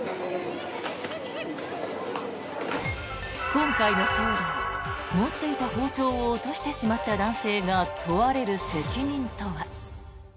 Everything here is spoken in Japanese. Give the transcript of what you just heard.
今回の騒動持っていた包丁を落としてしまった男性が問われる責任とは。